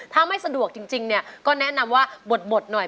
ถ้าไม่สะดวกจริงเนี่ยก็แนะนำว่าบดหน่อย